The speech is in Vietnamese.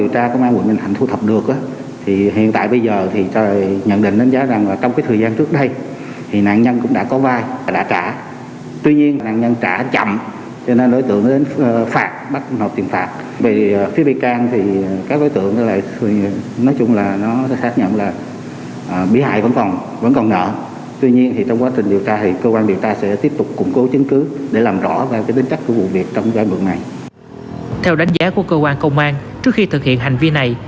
theo đánh giá của cơ quan công an trước khi thực hiện hành vi này